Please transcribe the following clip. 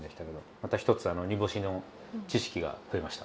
また一つ煮干しの知識が増えました。